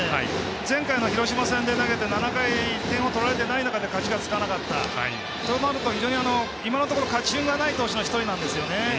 前回の広島戦で投げて７回点を取られていない中で勝ちがつかなかったとなると今のところ勝ち運がない投手の１人なんですよね。